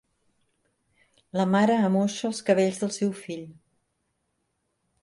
La mare amoixa els cabells del seu fill.